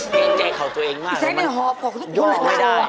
เกียงใจเข่าตัวเองมากย่อไม่ได้